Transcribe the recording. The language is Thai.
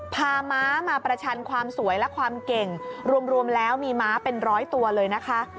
ม้ามาประชันความสวยและความเก่งรวมแล้วมีม้าเป็นร้อยตัวเลยนะคะ